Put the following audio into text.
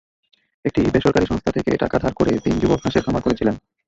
একটি বেসরকারি সংস্থা থেকে টাকা ধার করে তিন যুবক হাঁসের খামার করেছিলেন।